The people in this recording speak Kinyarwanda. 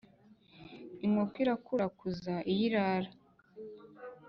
inkoko irakurakuza iyo irarira